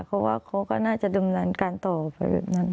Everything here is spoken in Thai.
เพราะว่าเขาก็น่าจะดึงรันการต่อผลิตนั้น